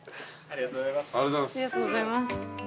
ありがとうございます。